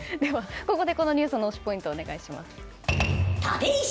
このニュースの推しポイントをお願いします。